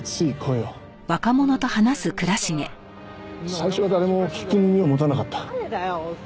最初は誰も聞く耳を持たなかった。